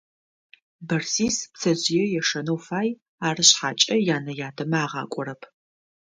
Бэрсис пцэжъые ешэнэу фай, ары шъхьакӏэ янэ-ятэмэ агъакӏорэп.